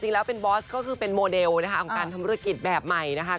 จริงแล้วเป็นบอสก็คือเป็นโมเดลนะคะของการทำธุรกิจแบบใหม่นะคะ